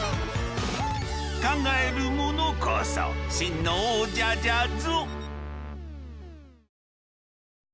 考える者こそ真の王者じゃぞ。